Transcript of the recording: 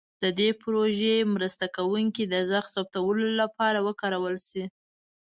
د دې پروژې مرسته کوونکي د غږ ثبتولو لپاره وکارول شي.